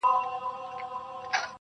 تا دي کرلي ثوابونه د عذاب وخت ته.